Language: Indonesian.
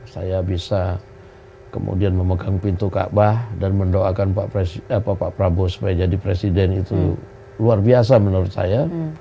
saya bisa kemudian memegang pintu kaabah dan mendoakan pak prabowo supaya jadi presiden itu luar biasa menurut saya